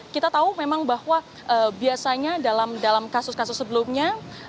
kita tahu memang bahwa biasanya dalam kasus kasus sebelumnya